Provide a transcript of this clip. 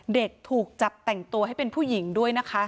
เด็กถูกจับแต่งตัวให้เป็นผู้หญิงด้วยนะคะ